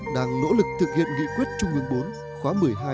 đang nỗ lực thực hiện nghị quyết trung ương bốn khóa một mươi hai